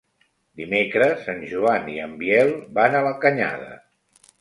Dimecres en Joan i en Biel van a la Canyada.